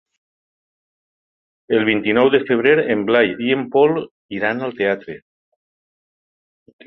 El vint-i-nou de febrer en Blai i en Pol iran al teatre.